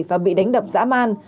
và bị đánh đập giả man